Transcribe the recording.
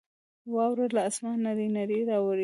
واوره له اسمانه نرۍ نرۍ راورېږي.